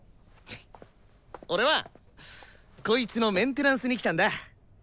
俺はこいつのメンテナンスに来たんだ。